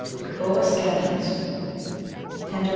Coboea Scandens Tender P.